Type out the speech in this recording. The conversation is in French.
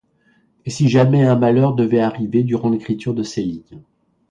et si jamais un malheur devait m'arriver durant l'écriture de ces lignes.